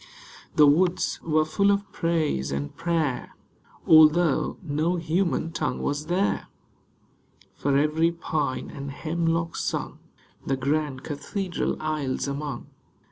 The woods were full of praise and prayer, Although no human tongue was there ; For every pine and hemlock sung The grand cathedral aisles among.